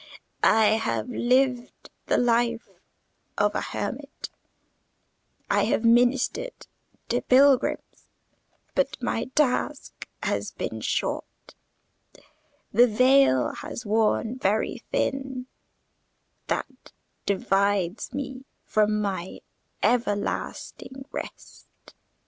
I have lived the life of a hermit, I have ministered to pilgrims; but my task has been short: the veil has worn very thin that divides me from my everlasting rest.